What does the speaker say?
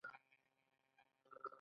د ساه لنډۍ لپاره د څه شي اوبه وڅښم؟